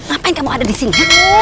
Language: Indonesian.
ngapain kamu ada disini